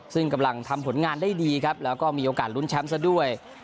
ซึ่งกำลังทำผลงานได้ดีครับแล้วก็มีโอกาสลุ้นแชมป์ซะด้วย